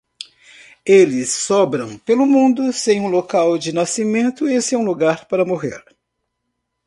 Eles sopram pelo mundo sem um local de nascimento e sem lugar para morrer.